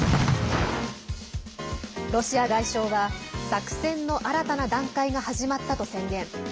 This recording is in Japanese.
ロシア外相は作戦の新たな段階が始まったと宣言。